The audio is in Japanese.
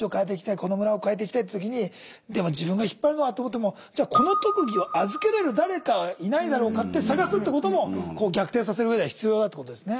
この村を変えていきたいっていう時にでも自分が引っ張るのはと思ってもじゃあこの特技を預けれる誰かいないだろうかってさがすってことも逆転させる上では必要だってことですね。